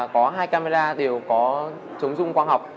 có hai camera đều có chống dung khoa học